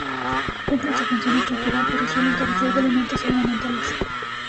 Cumplen su función estructural, pero suelen carecer de elementos ornamentales.